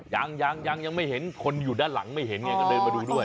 ยังยังยังไม่เห็นคนอยู่ด้านหลังไม่เห็นไงก็เดินมาดูด้วย